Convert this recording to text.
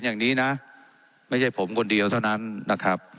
อย่างนี้นะไม่ใช่ผมคนเดียวเท่านั้นนะครับ